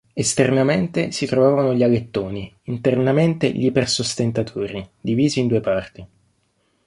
Esternamente si trovavano gli alettoni, internamente gli ipersostentatori, divisi in due parti.